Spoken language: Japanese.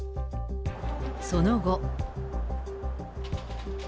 その後。